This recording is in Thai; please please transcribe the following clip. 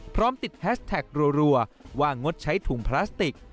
พร้อมติดแฮชแท็กรัวว่างดใช้ถุงพลาสติก